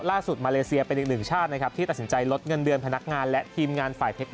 มาเลเซียเป็นอีกหนึ่งชาตินะครับที่ตัดสินใจลดเงินเดือนพนักงานและทีมงานฝ่ายเทค๑